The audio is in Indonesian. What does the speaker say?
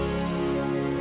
yang sudah meninggal